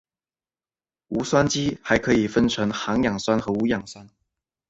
无机酸还可以分成含氧酸和无氧酸。